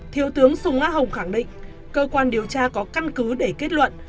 thiếu tướng sùng á hồng khẳng định cơ quan điều tra có căn cứ để kết luận